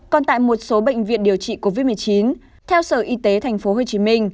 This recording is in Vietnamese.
còn tại một số bệnh viện điều trị covid một mươi chín theo sở y tế tp hcm